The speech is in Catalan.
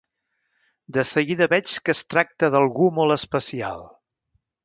De seguida veig que es tracta d'algú molt especial.